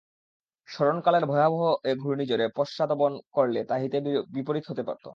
স্মরণকালের ভয়াবহ এ ঘূর্ণিঝড়ে পশ্চাদ্ধাবন করলে তা হিতে বিপরীত হতে পারত।